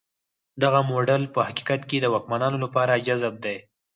دغه موډل په حقیقت کې د واکمنانو لپاره جذاب دی.